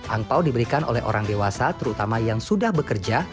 angpau diberikan oleh orang dewasa terutama yang sudah bekerja